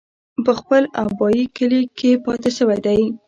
پۀ خپل ابائي کلي کښې پاتې شوے دے ۔